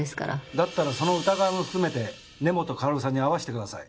だったらその疑いも含めて根本かおるさんに会わせてください。